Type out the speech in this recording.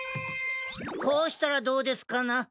こうしたらどうですかな？